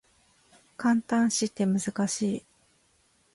感嘆詞って難しい